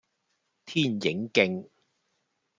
天影徑